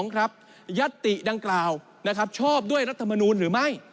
ข้อ๒ยัตติดังกล่าวชอบด้วยรัฐมนุนหรือไม่